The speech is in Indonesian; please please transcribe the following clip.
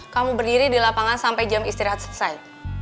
kamu berdiri di lapangan sampai jam istirahat selesai